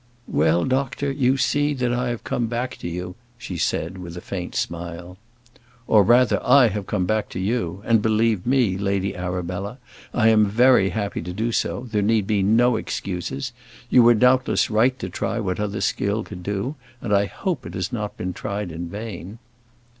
"Well, doctor, you see that I have come back to you," she said, with a faint smile. "Or, rather I have come back to you. And, believe me, Lady Arabella, I am very happy to do so. There need be no excuses. You were, doubtless, right to try what other skill could do; and I hope it has not been tried in vain."